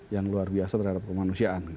yang luar biasa terhadap kemanusiaan